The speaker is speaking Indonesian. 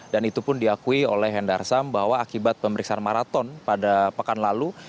dan itu pun diakui oleh hendarsam bahwa akibat pemeriksaan maraton pada pekan lalu